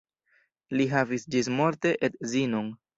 Li havis ĝismorte edzinon.